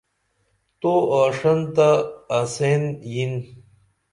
تو آݜن تہ انسین یِن